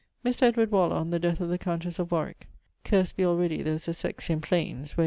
Mr. Edward Waller on the death of the countesse of Warwick: Curst be alreadie those Essexian plaines Where ...